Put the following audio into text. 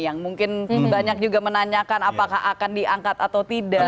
yang mungkin banyak juga menanyakan apakah akan diangkat atau tidak